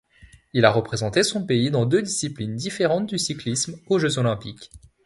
Il a représenté son pays dans deux disciplines différentes du cyclisme aux Jeux olympiques.